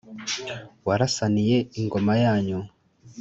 warasaniye ingoma yanyu